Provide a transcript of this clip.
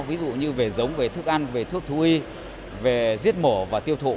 ví dụ như về giống về thức ăn về thuốc thú y về giết mổ và tiêu thụ